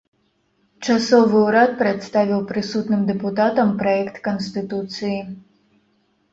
Часовы ўрад прадставіў прысутным дэпутатам праект канстытуцыі.